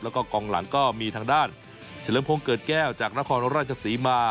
แล้วก็กองหลังก็มีทางด้านเฉลิมพงศ์เกิดแก้วจากนครราชศรีมา